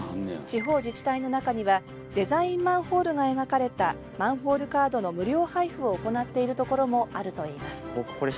地方自治体の中にはデザインマンホールが描かれたマンホールカードの無料配布を行っているところもあるといいます。